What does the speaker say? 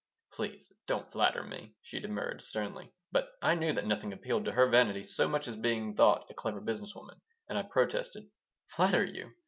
"Please don't flatter me," she demurred, sternly But I knew that nothing appealed to her vanity so much as being thought a clever business woman, and I protested: "Flatter you!